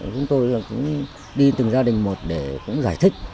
chúng tôi cũng đi từng gia đình một để cũng giải thích